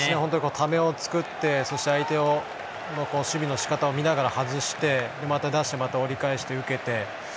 ためを作ってそして相手の守備の仕方を見ながら外してまた出してまた折り返して受けて。